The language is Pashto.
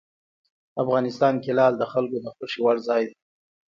افغانستان کې لعل د خلکو د خوښې وړ ځای دی.